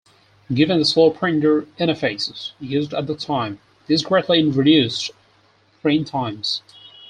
Given the slow printer interfaces used at that time, this greatly reduced print times.